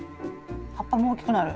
葉っぱも大きくなる？